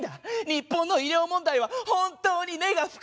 日本の医療問題は本当に根が深い！